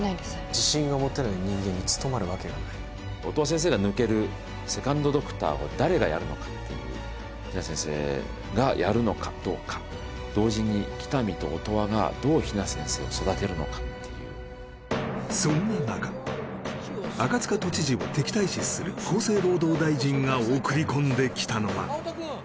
自信が持てない人間に務まるわけがない音羽先生が抜ける比奈先生がやるのかどうか同時に喜多見と音羽がどう比奈先生を育てるのかっていうそんな中赤塚都知事を敵対視する厚生労働大臣が送り込んできたのが青戸くん